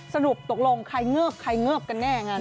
สรุปตกลงใครเงิบใครเงิบกันแน่งาน